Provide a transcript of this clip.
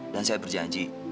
dan saya berjanji